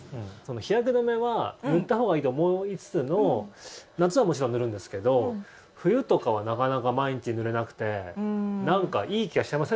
日焼け止めは塗ったほうがいいと思いつつも夏はもちろん塗るんですけど冬とかはなかなか毎日塗れなくてなんかいい気がしちゃいません？